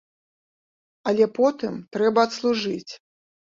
Але потым трэба адслужыць.